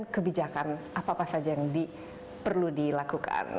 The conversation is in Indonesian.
kebijakan apa apa saja yang perlu dilakukan